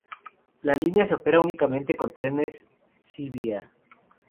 La línea se opera únicamente con trenes Civia.